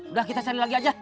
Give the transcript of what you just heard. udah kita cari lagi aja